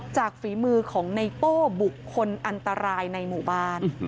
ฝีมือของไนโป้บุคคลอันตรายในหมู่บ้าน